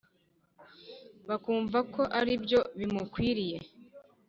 bakumva ko ari byo bimukwiriye